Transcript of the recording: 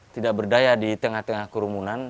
tidak berdaya di tengah tengah kerumunan